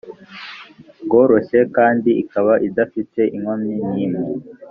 bworoshye kandi ikaba idafite inkomyi n imwe